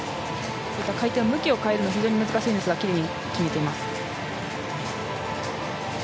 回転、向きを変えるのは難しいんですがきれいに決めています。